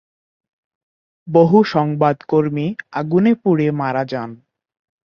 বহু সংবাদকর্মী আগুনে পুড়ে মারা যান।